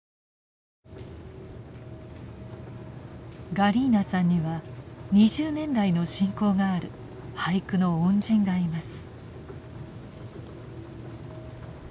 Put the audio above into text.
ガリーナさんには２０年来の親交がある俳句の恩人がいます。